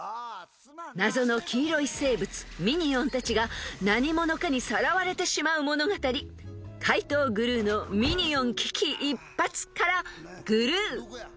［謎の黄色い生物ミニオンたちが何者かにさらわれてしまう物語『怪盗グルーのミニオン危機一発』からグルー］